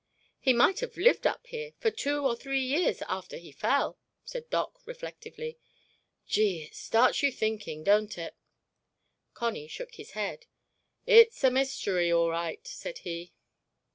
"He might have lived up here for two or three years after he fell," said Doc reflectively. "Gee, it starts you thinking, don't it?" Connie shook his head. "It's a mystery, all right," said he.